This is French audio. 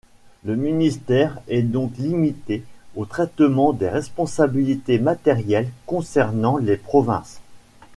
Le ministère est donc limité au traitement des responsabilités matérielles concernant les provinces.